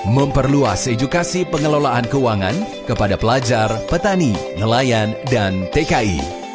memperluas edukasi pengelolaan keuangan kepada pelajar petani nelayan dan tki